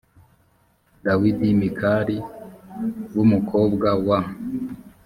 dawidi mikali b umukobwa wa